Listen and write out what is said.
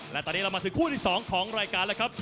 และตอนนี้เรามาถึงคู่ที่๒ของรายการแล้วครับ